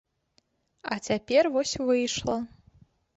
А цяпер вось выйшла.